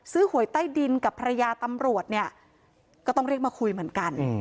หวยใต้ดินกับภรรยาตำรวจเนี่ยก็ต้องเรียกมาคุยเหมือนกัน